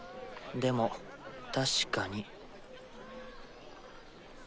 でも確かに。